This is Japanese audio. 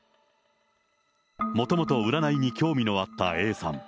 もともと占いに興味のあったＡさん。